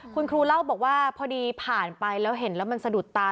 คุณครูเล่าบอกว่าพอดีผ่านไปแล้วเห็นแล้วมันสะดุดตา